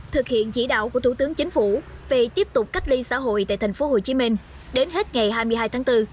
thực hiện chỉ đạo của thủ tướng chính phủ về tiếp tục cách ly xã hội tại tp hcm đến hết ngày hai mươi hai tháng bốn